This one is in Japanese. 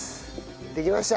できました！